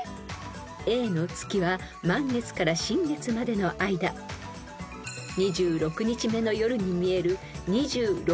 ［Ａの月は満月から新月までの間２６日目の夜に見える］